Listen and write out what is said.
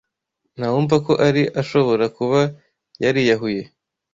nta wumva ko Ali ashobora kuba yariyahuye